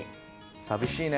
寂しいね。